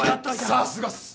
さすがっす！